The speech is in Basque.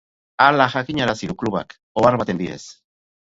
Hala jakinarazi du klubak ohar baten bidez.